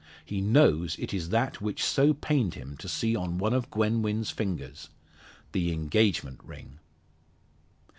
He knows it is that which so pained him to see on one of Gwen Wynn's fingers the engagement ring!